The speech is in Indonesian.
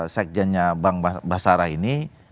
sekjennya bang basarah ini